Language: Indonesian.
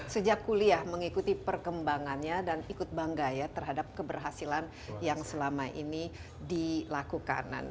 sejak kuliah mengikuti perkembangannya dan ikut bangga ya terhadap keberhasilan yang selama ini dilakukan